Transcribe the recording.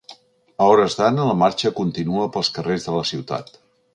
A hores d’ara la marxa continua pels carrers de la ciutat.